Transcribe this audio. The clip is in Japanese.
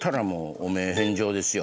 汚名返上ですね